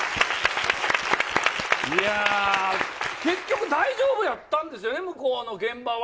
いやー、結局大丈夫だったんですよね、向こうの現場は。